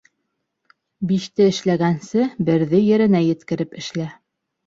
Биште эшләгәнсе, берҙе еренә еткереп эшлә.